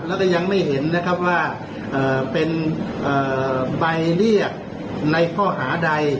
แล้วก็ยังไม่เห็นนะครับว่าเป็นใบเรียกในข้อหาใด